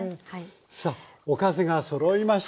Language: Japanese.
さあおかずがそろいました。